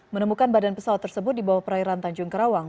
menemukan badan pesawat tersebut di bawah perairan tanjung kerawang